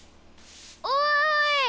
おい！